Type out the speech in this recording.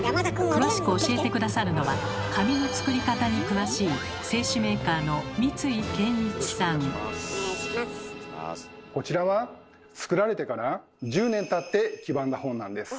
詳しく教えて下さるのは紙の作り方に詳しいこちらは作られてから１０年たって黄ばんだ本なんです。